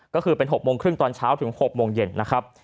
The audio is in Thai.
ก็คือเป็น๖๓๐นตอนเช้าถึง๖๐๐ยนตรงคนนี้